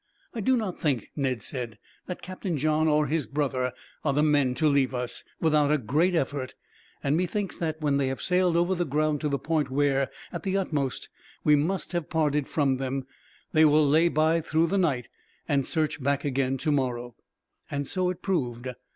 "I do not think," Ned said, "that Captain John or his brother are the men to leave us, without a great effort; and methinks that, when they have sailed over the ground to the point where, at the utmost, we must have parted from them, they will lay by through the night, and search back again, tomorrow." And so it proved.